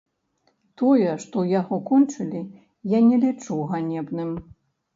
Тое, што яго кончылі, я не лічу ганебным.